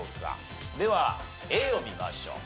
ではＡを見ましょう。